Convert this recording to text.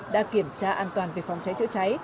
đã kiểm tra an toàn về phòng cháy chữa cháy